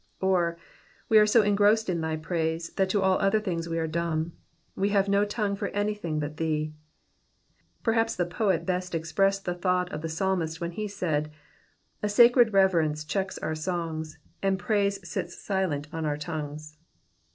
Or, we are so engrossed in thy praise, that to all other things we are dumb ; we have no tongue for anything but thee. Perhaps the poet best expressed the thought of the psalmist when he said —" A sacred reverence checks our songs, And praise sits silent on our tonics.